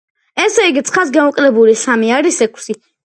ესე იგი, ცხრას გამოკლებული სამი არის ექვსი.